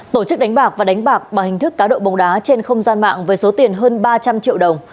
tổ chức đánh bạc và đánh bạc bằng hình thức cá độ bóng đá trên không gian mạng với số tiền hơn ba trăm linh triệu đồng